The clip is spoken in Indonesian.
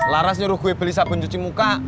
laras nyuruh gue beli sabun cuci muka